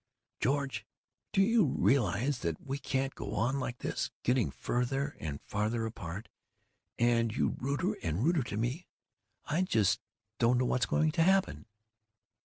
"George, do you realize that we can't go on like this, getting farther and farther apart, and you ruder and ruder to me? I just don't know what's going to happen."